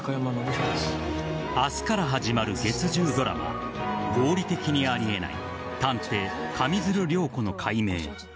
明日から始まる月１０ドラマ「合理的にあり得ない探偵・上水流涼子の解明」